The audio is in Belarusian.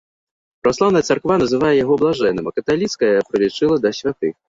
Праваслаўная царква называе яго блажэнным, а каталіцкая прылічыла да святых.